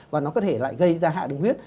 và nó có thể lại gây ra hạ đường huyết